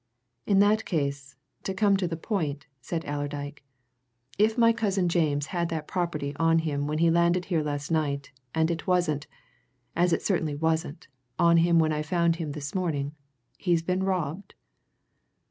"In that case to come to the point," said Allerdyke, "if my cousin James had that property on him when he landed here last night and it wasn't as it certainly wasn't on him when I found him this morning he's been robbed?"